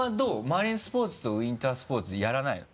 マリンスポーツとウインタースポーツやらないの？